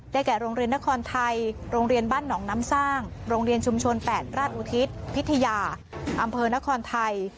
แก่โรงเรียนนครไทยโรงเรียนบ้านหนองน้ำสร้างโรงเรียนชุมชน๘ราชอุทิศพิทยาอำเภอนครไทย